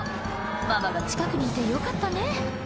ママが近くにいてよかったね